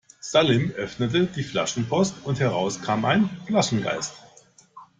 Salim öffnete die Flaschenpost und heraus kam ein Flaschengeist.